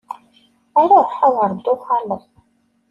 Ruḥ, a wer d-tuɣaleḍ!